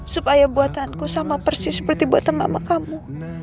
supaya buatanku sama persis seperti buatan mama kamu